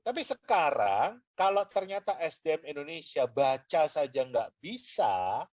tapi sekarang kalau ternyata sdm indonesia baca saja nggak bisa